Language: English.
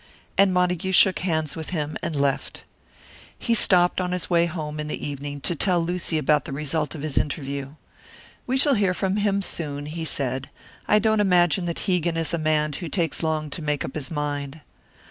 And Montague shook hands with him and left. He stopped in on his way home in the evening to tell Lucy about the result of his interview. "We shall hear from him soon," he said. "I don't imagine that Hegan is a man who takes long to make up his mind."